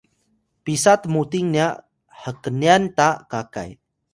pisa tmuting nya hknyan ta kakay?